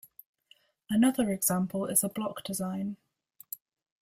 Another example is a block design.